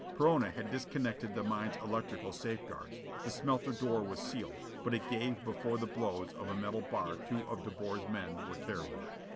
Perona had disconnected the mine's electrical safeguards. The smelter door was sealed, but it gave before the blows of a metal bar two of De Boer's men were carrying.